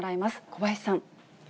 小林さん。